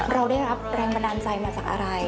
เราได้แรงบันดานใจมาสักอะไร